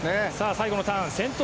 最後のターン先頭